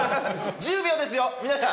１０秒ですよ皆さん。